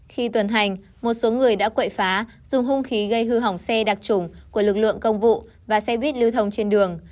khi tuần hành một số người đã quậy phá dùng hung khí gây hư hỏng xe đặc trủng của lực lượng công vụ và xe buýt lưu thông trên đường